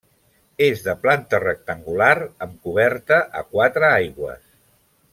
És de planta rectangular amb coberta a quatre aigües.